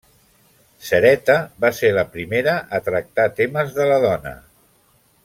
Cereta va ser la primera a tractar temes de la dona.